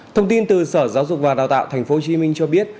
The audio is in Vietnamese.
thông tin từ sở giáo dục và đào tạo tp hcm cho biết